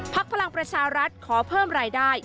พลังประชารัฐขอเพิ่มรายได้